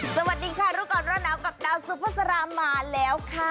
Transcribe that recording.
สวัสดีค่ะรูปกรณ์ร่อนน้ำกับดาวซูเปอร์สารามมาแล้วค่ะ